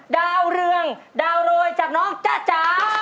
ดาวเรืองดาวโรยจากน้องจ๊ะจ๋า